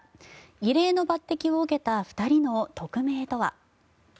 異例の抜てきを受けた２人の特命とは。